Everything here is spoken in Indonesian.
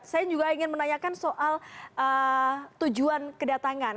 saya juga ingin menanyakan soal tujuan kedatangan